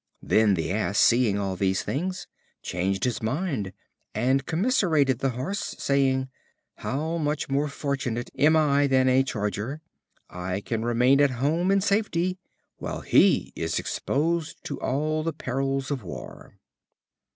Then the Ass, seeing all these things, changed his mind, and commiserated the Horse, saying: "How much more fortunate am I than a charger. I can remain at home in safety while he is exposed to all the perils of war."